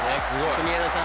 国枝さん。